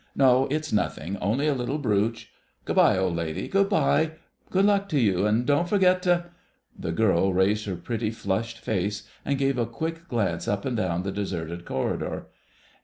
No, it's nothing; only a little brooch.... Good bye, old lady—good bye. Good luck to you, and don't forget to——" The girl raised her pretty, flushed face and gave a quick glance up and down the deserted corridor.